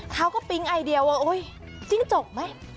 เขาก็ปริงไอเดียวว่าจิ้งจกไหม